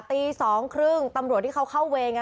ตี๒๓๐ตำรวจที่เขาเข้าเวร